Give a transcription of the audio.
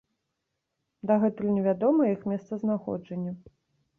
Дагэтуль невядомае іх месцазнаходжанне.